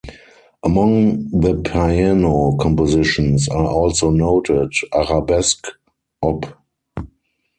Among the piano compositions are also noted: “Arabesque”, “op”.